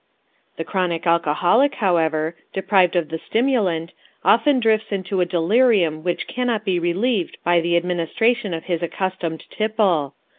The chronic alcoholic, however, deprived of the stimulant, often drifts into a delirium which cannot be relieved by the administration of his accustomed tipple.